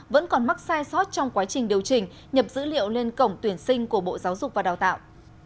vẫn còn mắc sai sót trong quá trình điều chỉnh nhập dữ liệu lên cổng tuyển sinh của bộ giáo dục và đào tạo